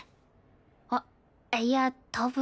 あっいや多分。